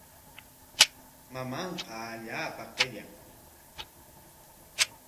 Mamanqa allaapa qilla.